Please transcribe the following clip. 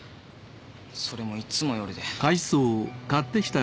それもいつも夜で。